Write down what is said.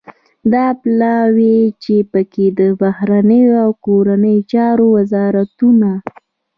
دا پلاوی چې پکې د بهرنیو او کورنیو چارو وزارتون